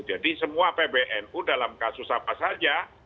jadi semua pbnu dalam kasus apa saja